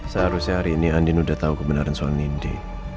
seharusnya hari ini andin udah tau kebenaran soang nindi